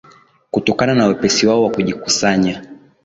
kutokana na wepesi wao wa kujikusanya